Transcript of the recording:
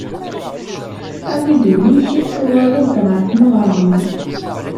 Awi-d ul-ik tuγaleḍ-d γer tmeγra.